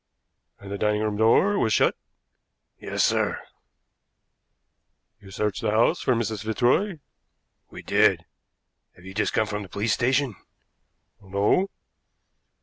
"And the dining room door was shut?" "Yes, sir." "You searched the house for Mrs. Fitzroy?" "We did. Have you just come from the police station?" "No."